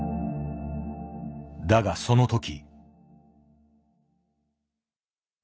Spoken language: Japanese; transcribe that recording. だがその時。